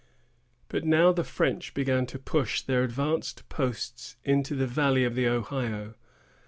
But now the French began to push their advanced posts into the valley of the Ohio.